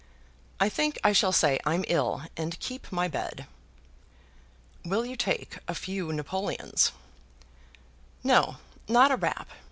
I think I shall say I'm ill, and keep my bed." "Will you take a few napoleons?" "No; not a rap.